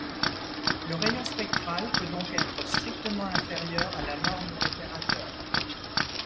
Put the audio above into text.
Le rayon spectral peut donc être strictement inférieur à la norme d'opérateur.